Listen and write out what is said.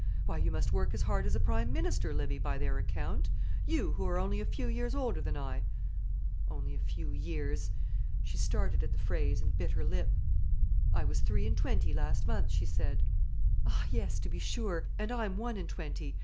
Why, you must work as hard as a prime minister, Livy, by their account; you, who are only a few years older than I." Only a few years! She started at the phrase, and bit her lip. "I was three and twenty last month," she said. "Ah, yes; to be sure. And I'm one and twenty.